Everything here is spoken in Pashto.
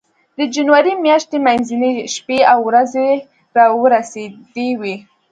د جنوري میاشتې منځنۍ شپې او ورځې را ورسېدې وې.